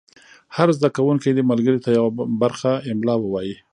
هر زده کوونکی دې ملګري ته یوه برخه املا ووایي.